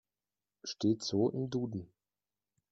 Steht so im Duden.